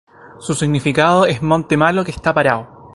Su significado es:'Monte malo que está parado'.